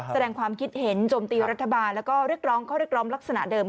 แสดงความคิดเห็นจมตีวรัฐบาลและก็เรื่องก็เรื่องรำลักษณะเดิม